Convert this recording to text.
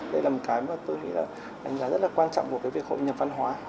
đây là một cái mà tôi nghĩ là đánh giá rất là quan trọng của cái việc hội nhập văn hóa